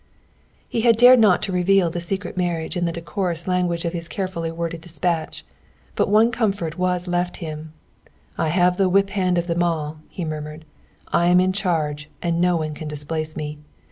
He had not dared to reveal the secret marriage in the decorous language of his carefully worded dispatch. But one comfort was left him. "I have the whip hand of them all," he murmured. "I am in charge, and no one can displace me.